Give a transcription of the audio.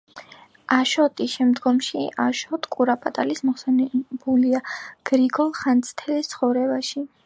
აშოტი შემდგომში აშოტ კურაპალატი მოხსენიებულია გრიგოლ ხანძთელის ცხოვრებაში.